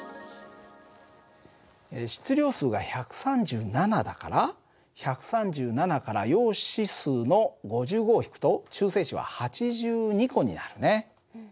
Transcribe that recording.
質量数が１３７だから１３７から陽子数の５５を引くと中性子は８２個になるね。